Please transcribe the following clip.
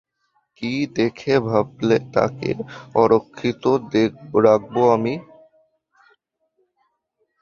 কী দেখে ভাবলে তাকে অরক্ষিত রাখবো আমি?